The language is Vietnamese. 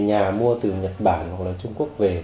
nhà mua từ nhật bản hoặc là trung quốc về